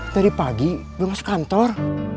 dari pagi belum masuk kantor